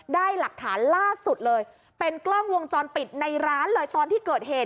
ได้หลักฐานล่าสุดเลยเป็นกล้องวงจรปิดในร้านเลยตอนที่เกิดเหตุ